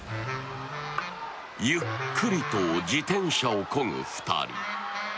ゆっくりと自転車をこぐ２人。